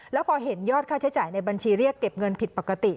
แล้วพอเห็นยอดค่าใช้จ่ายในบัญชีเรียกเก็บเงินผิดปกติ